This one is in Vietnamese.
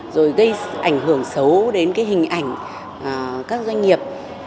rồi gây ảnh hưởng xấu đến cái hình ảnh các doanh nghiệp